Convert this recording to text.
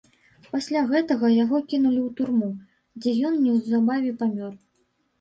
Пасля гэтага яго кінулі ў турму, дзе ён неўзабаве памёр.